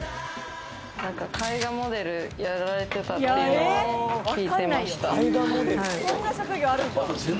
絵画モデルやられてたっていうのは聞いてました。